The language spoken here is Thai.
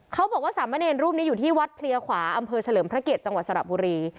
เขาบอกว่าสามเณรรูปนี้อยู่ที่วัดเพลียขวาอำเภอเฉลิมพระเกียรติจังหวัดสระบุรี